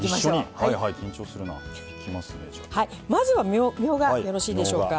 まずはみょうがよろしいでしょうか？